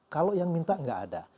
kalau yang minta nggak ada